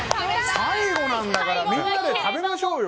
最後なんだからみんなで食べましょうよ！